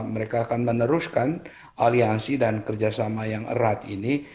mereka akan meneruskan aliansi dan kerjasama yang erat ini